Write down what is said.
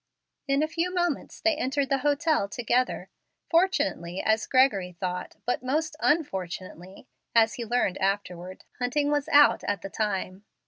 In a few moments they entered the hotel together. Fortunately, as Gregory thought, but most unfortunately, has he learned afterward, Hunting was out at the time.